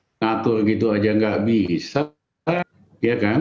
mengatur gitu saja tidak bisa